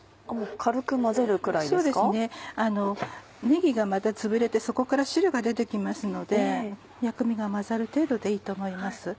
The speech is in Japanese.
ねぎがまたつぶれてそこから汁が出て来ますので薬味が混ざる程度でいいと思います。